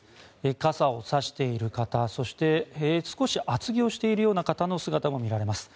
傘をさしている方そして、少し厚着をしているような方の姿も見られます。